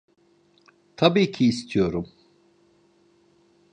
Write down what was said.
Tabii ki istiyorum.